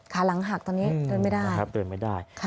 ขาหลังหักตอนนี้เดินไม่ได้